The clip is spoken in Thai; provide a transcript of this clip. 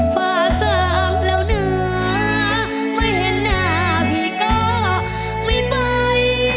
เสิร์ฟแล้วเนื้อไม่เห็นหน้าพี่ก็ไม่ไป